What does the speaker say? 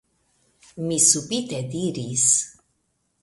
mi subite diris.